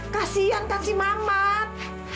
kasian kan si mamat